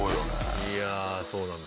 いやあそうなんだ。